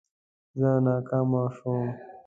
زه ناکامه شوم